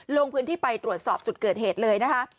ลงพื้นที่ไปตรวจสอบจุดเกิดเหตุเลยนะคะ